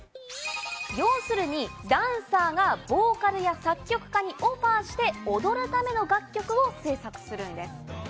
要するにダンサーがボーカルや作曲家にオファーして踊るための楽曲を制作するんです。